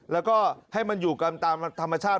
แล้วก็ให้มันอยู่กันตามธรรมชาติ